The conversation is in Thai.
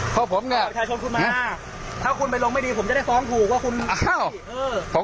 ไปที่ด่านก่อนไปได้ก่อน